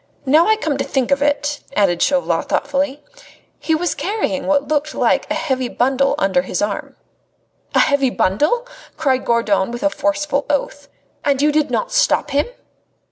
Now I come to think of it," added Chauvelin thoughtfully, "he was carrying what looked like a heavy bundle under his arm." "A heavy bundle!" cried Gourdon, with a forceful oath. "And you did not stop him!"